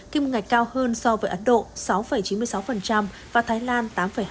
kiêm ngạch cao hơn so với ấn độ sáu chín mươi sáu và thái lan tám hai mươi tám